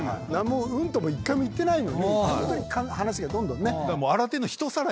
うんとも１回も言ってないのにホントに話がどんどんね。